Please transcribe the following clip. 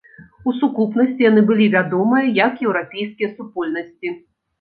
У сукупнасці яны былі вядомыя як еўрапейскія супольнасці.